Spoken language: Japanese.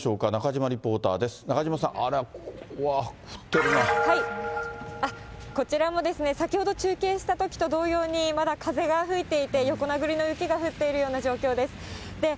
ありゃ、ここは降ってこちらも、先ほど中継したときと同様に、まだ風が吹いていて、横殴りの雪が降っているような状況です。